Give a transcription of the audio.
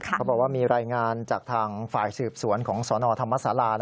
เขาบอกว่ามีรายงานจากทางฝ่ายสืบสวนของสนธรรมศาลา